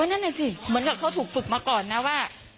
นั่นน่ะสิเหมือนกับเขาถูกฝึกมาก่อนนะว่า